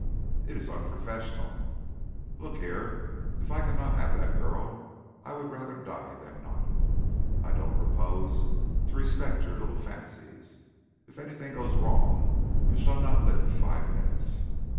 "It's unprofessional." "Look here! If I cannot have that girl I would rather die than not. I don't propose to respect your little fancies. If anything goes wrong you shall not live five minutes.